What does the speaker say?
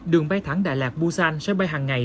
đường bay thẳng đà lạt busan sẽ bay hàng ngày